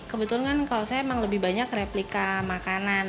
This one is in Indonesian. kebetulan kan kalau saya emang lebih banyak replika makanan